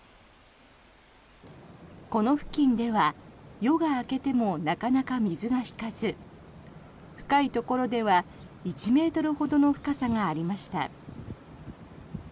この付近では、夜が明けてもなかなか水が引かず深いところでは１ｍほどの深さがありました。